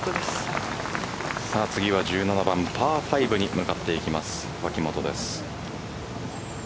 次は１７番パー５に向かっていきます脇元です。